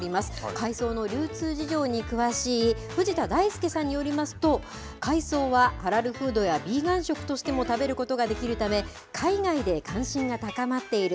海藻の流通事情に詳しい藤田大介さんによりますと、海藻はハラルフードやヴィーガン食としても食べることができるため、海外で関心が高まっている。